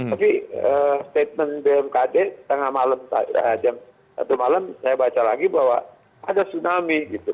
tapi statement bmkg setengah malam satu malam saya baca lagi bahwa ada tsunami